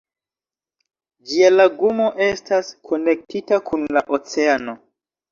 Ĝia laguno estas konektita kun la oceano.